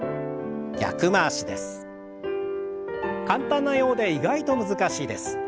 簡単なようで意外と難しいです。